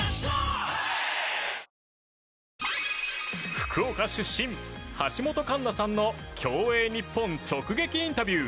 福岡出身、橋本環奈さんの競泳日本直撃インタビュー。